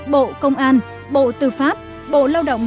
bộ công an bộ tư pháp bộ lao động